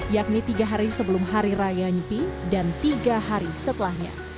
yakni tiga hari sebelum hari raya nyepi dan tiga hari setelahnya